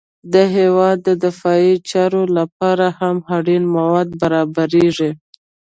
د هېواد د دفاعي چارو لپاره هم اړین مواد برابریږي